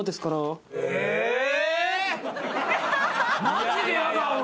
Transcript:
マジで嫌だ俺。